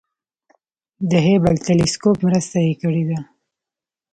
د هبل تلسکوپ مرسته یې کړې ده.